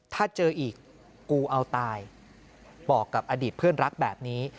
ถ้าเจออีกกูเอาตายบอกกับอดีตเพื่อนรักแบบนี้